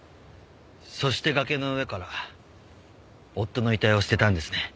そして崖の上から夫の遺体を捨てたんですね。